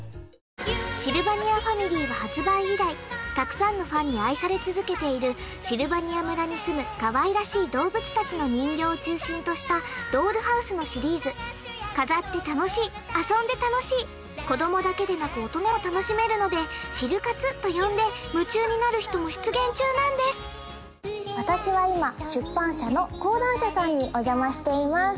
シルバニアファミリーは発売以来たくさんのファンに愛され続けているシルバニア村に住むかわいらしい動物達の人形を中心としたドールハウスのシリーズ飾って楽しい遊んで楽しい子どもだけでなく大人も楽しめるので「シル活」と呼んで夢中になる人も出現中なんです私は今出版社の講談社さんにお邪魔しています